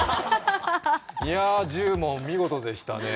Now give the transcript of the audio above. いや、１０問見事でしたね。